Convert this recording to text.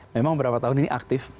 memang beberapa tahun ini aktif